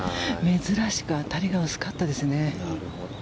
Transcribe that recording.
珍しく当たりが薄かったですね。